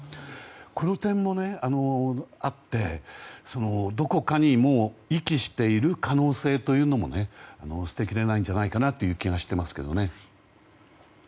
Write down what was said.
この点もあってどこかにもう遺棄している可能性も捨てきれないんじゃないかという気がしてますけどね。